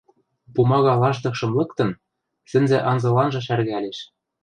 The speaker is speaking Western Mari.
пумага лаштыкшым лыктын, сӹнзӓ анзыланжы шӓргӓлеш.